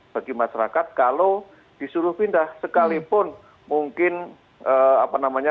bagi masyarakat kalau disuruh pindah sekalipun mungkin apa namanya